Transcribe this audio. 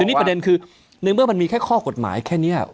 นี่ประเด็นคือในเมื่อมันมีแค่ข้อกฎหมายแค่นี้